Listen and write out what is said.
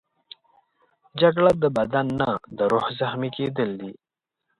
جګړه د بدن نه، د روح زخمي کېدل دي